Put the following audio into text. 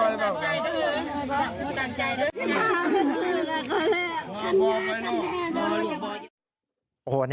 มันเป็นอะไรเนอะ